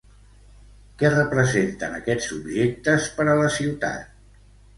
Què representen aquests objectes per a la ciutat?